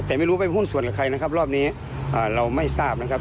แต่ไม่รู้ไปหุ้นส่วนกับใครนะครับรอบนี้เราไม่ทราบนะครับ